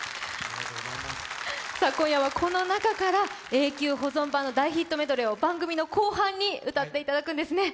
今夜はこの中から永久保存版の大ヒットメドレーを番組の後半に歌っていただくんですね。